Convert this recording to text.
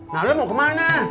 nah lo mau kemana